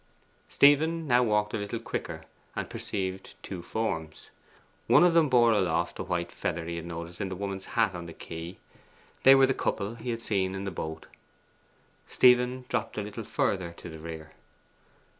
Stephen now walked a little quicker, and perceived two forms. One of them bore aloft the white feather he had noticed in the woman's hat on the quay: they were the couple he had seen in the boat. Stephen dropped a little further to the rear.